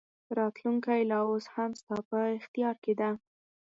راتلونکې لا اوس هم ستا په اختیار کې ده.